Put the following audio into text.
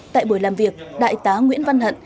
tại buổi làm việc đại tá nguyễn văn hận